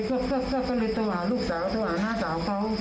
ก็เลยต้องหาลูกสาวต้องหาหน้าสาวเขา